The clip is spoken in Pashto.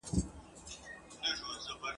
اوښ به ولي په سرو سترګو نه ژړیږي !.